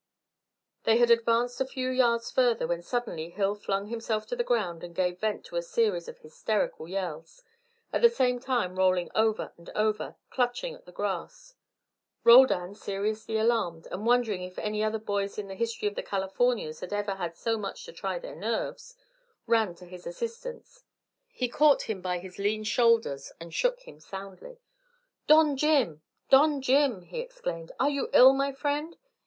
They had advanced a few yards farther when suddenly Hill flung himself on the ground and gave vent to a series of hysterical yells, at the same time rolling over and over, clutching at the grass. Roldan, seriously alarmed, and wondering if any other boys in the history of the Californias had ever had so much to try their nerves, ran to his assistance; he caught him by his lean shoulders, and shook him soundly. "Don Jim! Don Jim!" he exclaimed. "Are you ill, my friend?